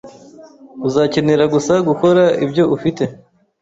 Uzakenera gusa gukora ibyo ufite